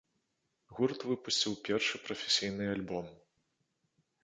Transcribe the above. Гурт выпусціў першы прафесійны альбом.